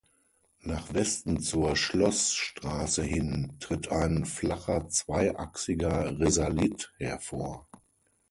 Nach Westen zur Schloßstraße hin tritt ein flacher zweiachsiger Risalit hervor.